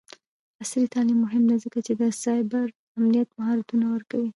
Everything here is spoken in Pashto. عصري تعلیم مهم دی ځکه چې د سایبر امنیت مهارتونه ورکوي.